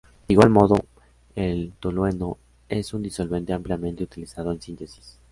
De igual modo, el tolueno es un disolvente ampliamente utilizado en síntesis.